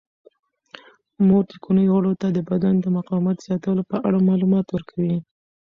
مور د کورنۍ غړو ته د بدن د مقاومت زیاتولو په اړه معلومات ورکوي.